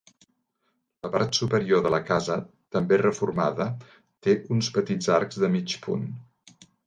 La part superior de la casa també reformada té uns petits arcs de mig punt.